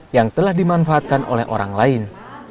yang telah dimanfaatkan oleh orang lain